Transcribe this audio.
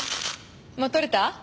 もう撮れた？